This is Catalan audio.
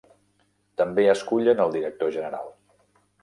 També escullen el director general.